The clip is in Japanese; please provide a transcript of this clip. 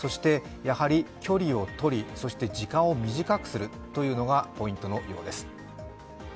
やはり距離をとり、時間を短くするというのがポイントのようです。